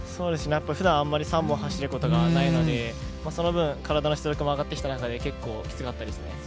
ふだんあまり３本走ることがないので、その分、体の出力も上がってきた中できつかったですね。